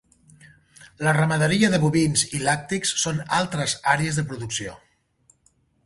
La ramaderia de bovins i làctics són altres àrees de producció.